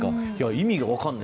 意味が分からない。